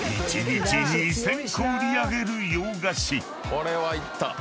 これはいった。